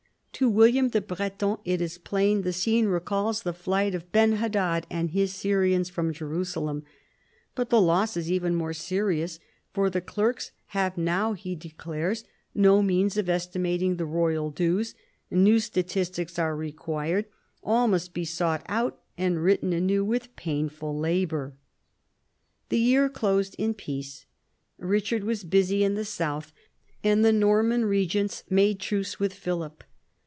To William the Breton it is plain the scene recalls the flight of Benhadad and his Syrians from Jerusalem : but the loss is even more serious, for the clerks have now, he declares, no means of esti mating the royal dues, new statistics are required, all must be sought out and written anew with painful labour. The year closed in peace. Eichard was busy in the south, and the Norman regents made truce with Philip.